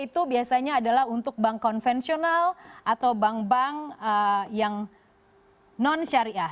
itu biasanya adalah untuk bank konvensional atau bank bank yang non syariah